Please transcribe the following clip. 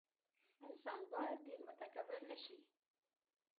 انسان باید ډېر متکبر نه شي.